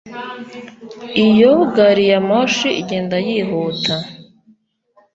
iyo gari ya moshi igenda yihuta